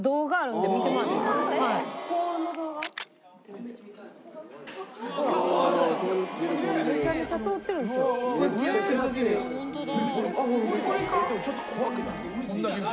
「でもちょっと怖くない？